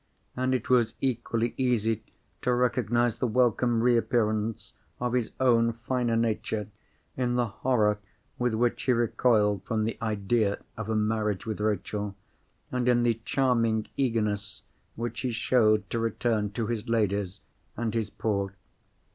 And it was equally easy to recognise the welcome reappearance of his own finer nature in the horror with which he recoiled from the idea of a marriage with Rachel, and in the charming eagerness which he showed to return to his Ladies and his Poor.